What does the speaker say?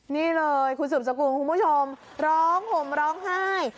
นี่เลยคุณสืบสกุลคุณผู้ชมร้องห่มร้องไห้